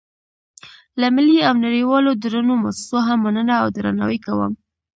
له ملي او نړیوالو درنو موسسو هم مننه او درناوی کوم.